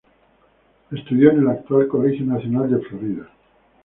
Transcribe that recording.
Estudió en el actual Colegio Nacional de Florida.